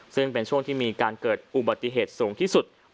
ซึ่งเป็นช่วงที่มีการเกิดอุบัติเหตุสูงที่สุด